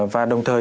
và đồng thời